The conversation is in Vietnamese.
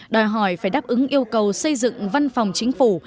đòi hỏi phải đáp ứng yêu cầu xây dựng văn phòng chính phủ